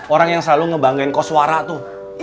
orang yang selalu ngebanggain koswara tuh